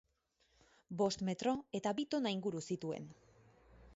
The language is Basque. Bost metro eta bi tona inguru zituen.